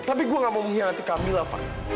tapi gue gak mau mengkhianati camilla fan